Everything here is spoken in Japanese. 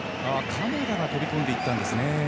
鎌田が飛び込んでいったんですね。